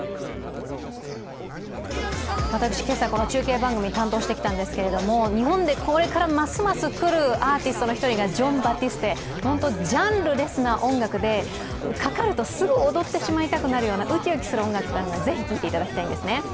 私、今朝この中継番組を担当してきたんですけれども、日本でこれからますます来るアーティストの１人がジョン・バティステ、ジャンルレスな音楽でかかるとすぐ踊ってしまいたくなるようなうきうきする音楽なので是非聴いていただきたいんですね。